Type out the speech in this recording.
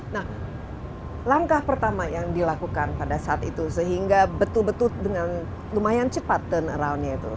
nah langkah pertama yang dilakukan pada saat itu sehingga betul betul dengan lumayan cepat turn aroundnya itu